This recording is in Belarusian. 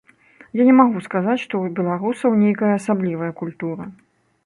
Я не магу сказаць, што ў беларусаў нейкая асаблівая культура.